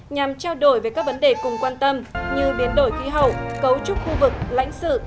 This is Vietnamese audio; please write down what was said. nhằm trao đổi về các vấn đề cùng quan tâm như biến đổi khí hậu cấu trúc khu vực lãnh sự